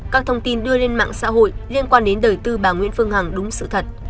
các thông tin đưa lên mạng xã hội liên quan đến đời tư bà nguyễn phương hằng đúng sự thật